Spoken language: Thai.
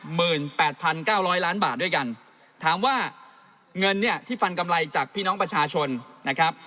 หมื่นแปดพันเก้าร้อยล้านบาทด้วยกันถามว่าเงินเนี่ยที่ฟันกำไรจากพี่น้องประชาชนนะครับ